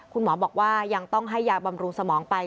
คุณหมอบอกว่ายังต้องให้ยาบำรุงสมองไป